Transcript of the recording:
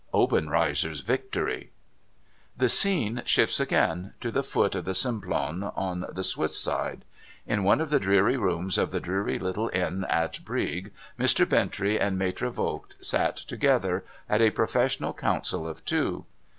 OBENREIZERS VICTORY The scene shifts again — to the foot of the Simplon, on the Swiss side. In one of the dreary rooms of the dreary little inn at Brieg, Mr. Bintrey and Maitre Voigt sat together at a professional council of two.